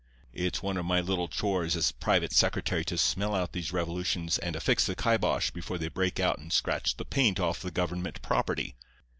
It's one of my little chores as private secretary to smell out these revolutions and affix the kibosh before they break out and scratch the paint off the government property.